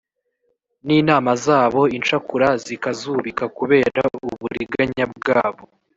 N’inama zabo incakura zikazubika kubera uburiganya bwabo